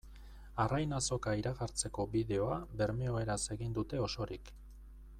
Arrain Azoka iragartzeko bideoa bermeoeraz egin dute osorik.